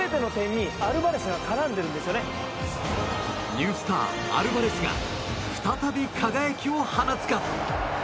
ニュースター、アルバレスが再び輝きを放つか。